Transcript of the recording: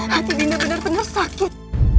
hati dinda benar benar sakit